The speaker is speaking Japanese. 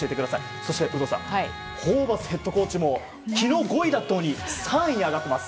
そして有働さんホーバスヘッドコーチも昨日５位だったのに３位に上がっています。